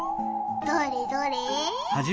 どれどれ？